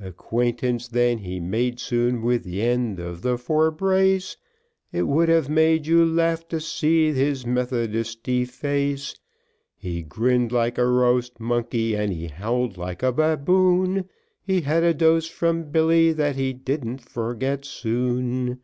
Acquaintance then he made soon with the end of the fore brace, It would have made you laugh to see his methodisty face; He grinn'd like a roast monkey, and he howl'd like a baboon, He had a dose from Billy, that he didn't forget soon.